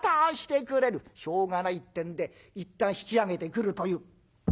しょうがないってんでいったん引き揚げてくるという。